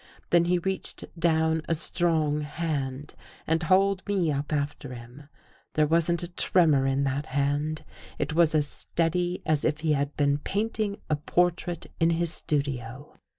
Then he reached down a strong hand and hauled me up after him. There wasn't a tremor 218 THE HOUSEBREAKERS In that hand. It was as steady as if he had been painting a portrait in his studio.